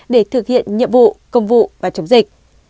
để thực hiện nhiệm vụ công vụ và chống dịch